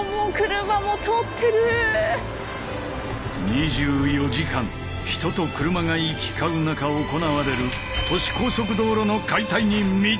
２４時間人と車が行き交う中行われる都市高速道路の解体に密着するのは。